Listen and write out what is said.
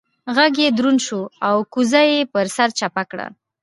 غږ يې دروند شو او کوزه يې پر سر چپه کړه.